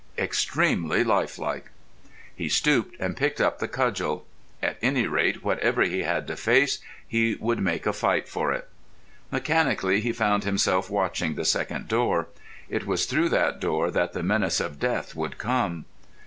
Extremely life like! He stooped and picked up the cudgel. At any rate, whatever he had to face, he would make a fight for it. Mechanically he found himself watching the second door. It was through that door that the menace of death would come.